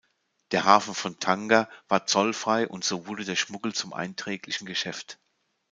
Der Hafen von Tanger war zollfrei und so wurde der Schmuggel zum einträglichen Geschäft.